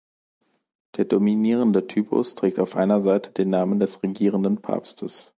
Der dominierende Typus trägt auf einer Seite den Namen des regierenden Papstes.